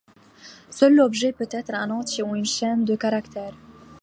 Seul l'objet peut être un entier ou une chaîne de caractères.